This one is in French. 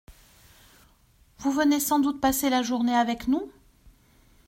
Vous venez sans doute passer la journée avec nous ?